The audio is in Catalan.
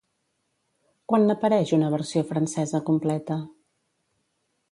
Quan n'apareix una versió francesa completa?